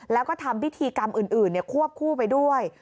แล้วก็ทำพิธีกรรมอื่นควบคู่ไปด้วย